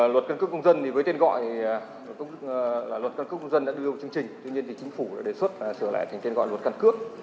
luật căn cước công dân thì với tên gọi là luật căn cước công dân đã đưa vào chương trình tuy nhiên thì chính phủ đã đề xuất sửa lại thành tên gọi luật căn cước